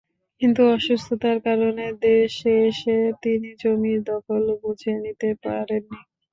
কিন্তু অসুস্থতার কারণে দেশে এসে তিনি জমির দখল বুঝে নিতে পারেননি।